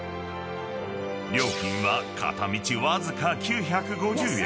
［料金は片道わずか９５０円］